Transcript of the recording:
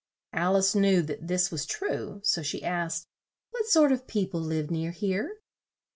Al ice knew that this was true, so she asked: "What sort of peo ple live near here?"